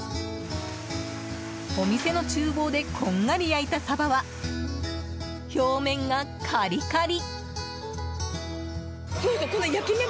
お店の厨房でこんがり焼いたサバは表面がカリカリ。